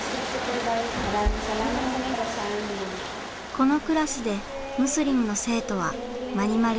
このクラスでムスリムの生徒はマリマル